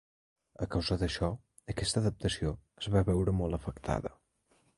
A causa d'això, aquesta adaptació es va veure molt afectada.